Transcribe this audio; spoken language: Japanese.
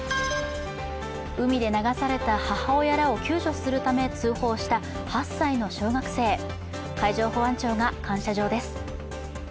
海で流された母親らを救助するため通報した８歳の小学生、海上保安部が感謝状です。